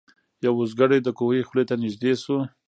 یو اوزګړی د کوهي خولې ته نیژدې سو